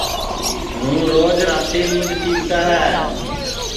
ہوں روج راتی دؔودھ پیوتا ہے